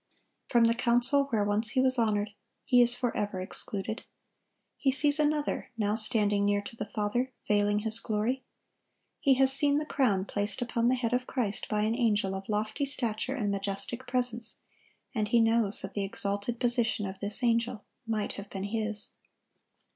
From the council where once he was honored, he is forever excluded. He sees another now standing near to the Father, veiling His glory. He has seen the crown placed upon the head of Christ by an angel of lofty stature and majestic presence, and he knows that the exalted position of this angel might have been his.